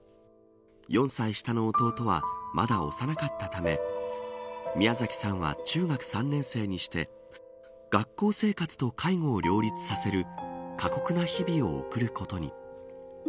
４歳下の弟はまだ幼かったため宮崎さんは中学３年生にして学校生活と介護を両立させる過酷な日々を送ることに。